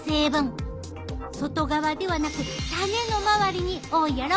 外側ではなく種の周りに多いやろ？